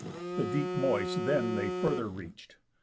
The deep moist then They further reach'd.